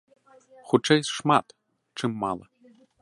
Хутчэй шмат, чым мала.